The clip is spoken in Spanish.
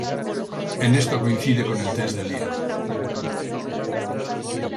En esto coincide con el test de Lea.